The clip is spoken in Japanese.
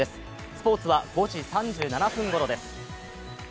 スポーツは５時３７分ごろです。